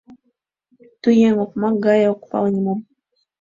Ту еҥ окмак гае ок пале нимом.